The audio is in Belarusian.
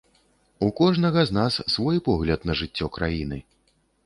У кожнага з нас свой погляд на жыццё краіны.